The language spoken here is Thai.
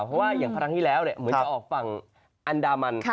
เพราะว่าอย่างครั้งที่แล้วเหมือนจะออกฝั่งอันดามัน